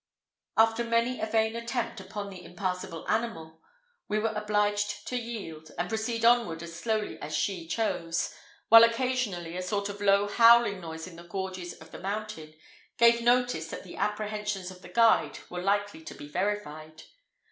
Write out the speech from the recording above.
After many a vain attempt upon the impassible animal, we were obliged to yield, and proceed onward as slowly as she chose, while occasionally a sort of low howling noise in the gorges of the mountain gave notice that the apprehensions of the guide were likely to be verified.